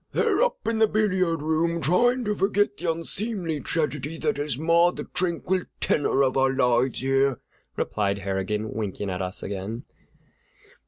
"They're all up in the billiard room, trying to forget the unseemly tragedy that has marred the tranquil tenor of our lives here," replied Harrigan, winking at us again.